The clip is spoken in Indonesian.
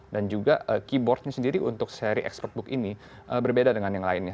dan juga keyboard nya sendiri untuk seri expertbook ini berbeda dengan yang lainnya